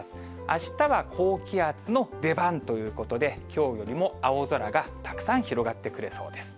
あしたは高気圧の出番ということで、きょうよりも青空がたくさん広がってくれそうです。